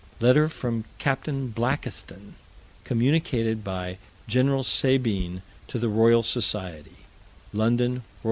Letter from Capt. Blakiston, communicated by Gen. Sabine, to the Royal Society (_London Roy.